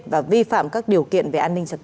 và vi phạm các điều kiện về an ninh trật tự